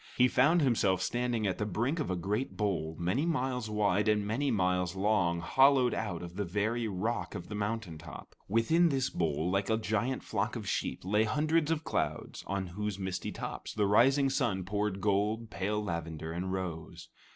He found himself standing at the brink of a great bowl, many miles wide and many miles long, hollowed out of the very rock of the mountaintop. Within this bowl, like a giant flock of sheep, lay hundreds of clouds on whose misty tops the rising sun poured gold, pale lavender, and rose.